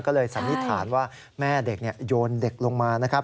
ก็เลยสันนิษฐานว่าแม่เด็กโยนเด็กลงมานะครับ